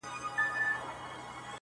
او وېره احساسوي تل